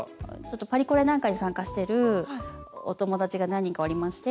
パリコレなんかに参加してるお友達が何人かおりまして。